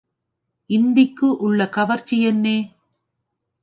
இந்திக்கு உள்ள கவர்ச்சி என்னே!